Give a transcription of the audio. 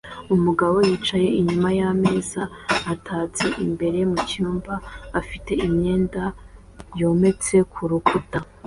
Umugabo yicaye inyuma yameza atatse imbere mucyumba afite imyenda yometse ku rukuta